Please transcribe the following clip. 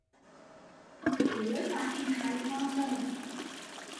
條女反應太誇張